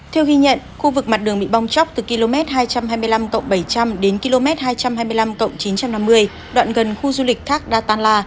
theo ghi nhận khu vực mặt đường bị bong chóc từ km hai trăm hai mươi năm bảy trăm linh đến km hai trăm hai mươi năm chín trăm năm mươi đoạn gần khu du lịch thác data la